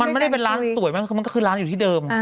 มันไม่ได้เป็นร้านสวยมากคือมันก็คือร้านอยู่ที่เดิม